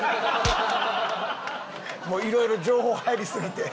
もういろいろ情報入りすぎて？